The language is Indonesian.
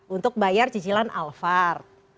untuk bayar cicilan alfard